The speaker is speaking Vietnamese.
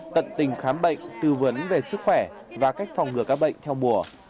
tận tình khám bệnh tư vấn về sức khỏe và cách phòng ngừa các bệnh theo mùa